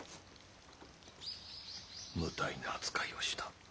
無体な扱いをした。